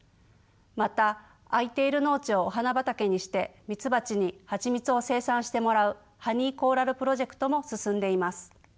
また空いている農地をお花畑にしてミツバチにハチミツを生産してもらうハニーコーラルプロジェクトも進んでいます。